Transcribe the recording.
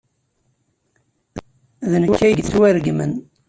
D nekk ay yettwaregmen.